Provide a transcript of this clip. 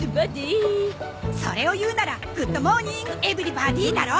それを言うなら「グッドモーニングエブリバディ」だろ！